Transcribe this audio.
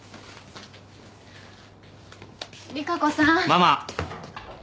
ママ。